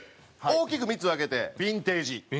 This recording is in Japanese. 大きく３つに分けてヴィンテージ。